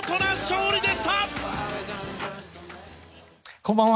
こんばんは。